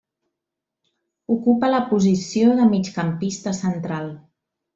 Ocupa la posició de migcampista central.